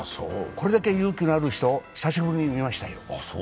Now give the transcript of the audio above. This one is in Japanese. これだけ勇気のある人、久しぶりに見ましたよ。